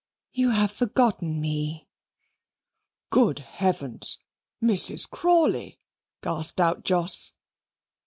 "You have forgotten me." "Good heavens! Mrs. Crawley!" gasped out Jos.